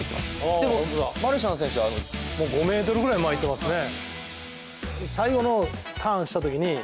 でも、マルシャン選手は５ｍぐらい前に行っていますね。